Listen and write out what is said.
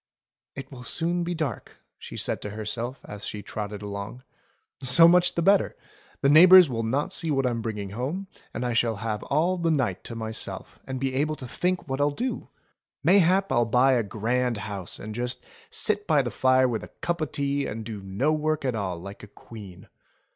"It will soon be dark," she said to herself as she trotted along. "So much the better! The neighbours will not see what I'm bringing home, and I shall have all the night to myself, and be able to think what I'll do ! Mayhap I'll buy a grand house and just sit by the fire with a cup o' tea and do no work at all like a queen.